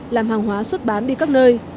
làm hàng hóa xuất bán đi các nơi